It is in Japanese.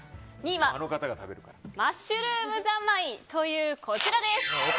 ２位は、マッシュルーム三昧というこちらです！